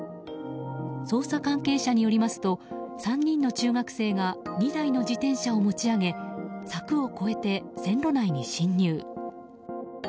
捜査関係者によりますと３人の中学生が２台の自転車を持ち上げ柵を越えて線路内に進入。